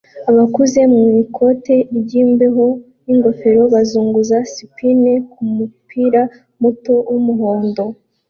Abakuze mu ikoti ryimbeho ningofero bazunguza sipine kumupira muto wumuhondo